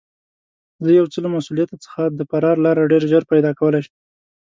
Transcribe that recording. زه یو څه له مسوولیته څخه د فرار لاره ډېر ژر پیدا کولای شم.